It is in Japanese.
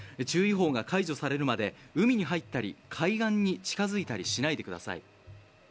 注意報が解除されるまで海に入ったり、海岸に近づいたりしないでください。